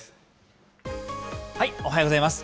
おはようございます。